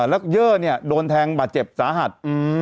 แล้วเยื่อเนี่ยโดนแทงบาดเจ็บสาหัส